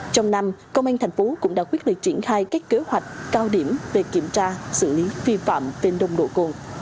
trong năm công an tp hcm cũng đã quyết định triển khai các kế hoạch cao điểm về kiểm tra xử lý phi phạm về nồng độ cồn